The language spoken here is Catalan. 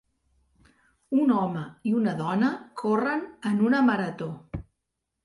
Un home i una dona corren en una marató.